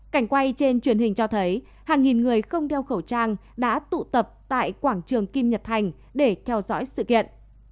cảnh quay trên truyền hình cho thấy hàng nghìn người không đeo khẩu trang đã tụ tập tại quảng trường kim nhật thành để theo dõi sự kiện